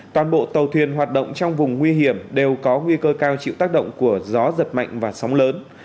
toàn bộ tàu thuyền hoạt động trong vùng nguy hiểm đều có nguy cơ cao chịu tác động của gió giật mạnh và sóng lớn